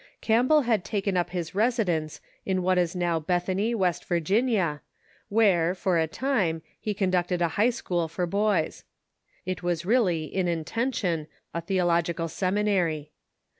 Campbell had taken u]) his residence at what is now Bethany, West Vir ginia, where, for a time, he conducted a high school for boys. It was really in intention a theological seminary.